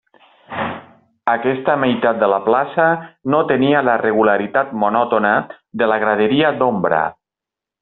Aquesta meitat de la plaça no tenia la regularitat monòtona de la graderia d'ombra.